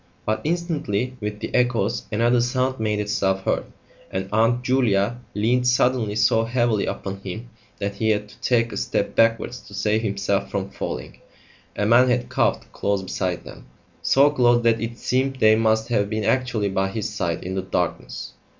But, instantly, with the echoes, another sound made itself heard, and Aunt Julia leaned suddenly so heavily upon him that he had to take a step backwards to save himself from falling. A man had coughed close beside them so close that it seemed they must have been actually by his side in the darkness.